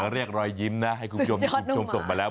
เรียกรอยยิ้มนะให้คุณผู้ชมส่งมาแล้ว